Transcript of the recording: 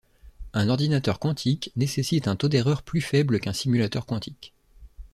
Un ordinateur quantique nécessite un taux d'erreur plus faible qu'un simulateur quantique.